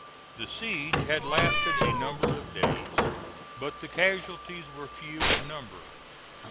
The siege had lasted a number of days, but the casualties were few in number.